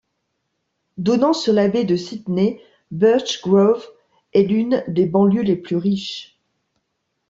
Donnant sur la baie de Sydney, Birchgrove est l'une des banlieues les plus riches.